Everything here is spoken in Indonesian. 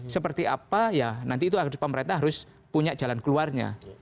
seperti apa ya nanti itu pemerintah harus punya jalan keluarnya